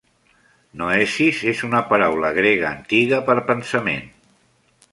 "Noesis" és una paraula grega antiga per "pensament".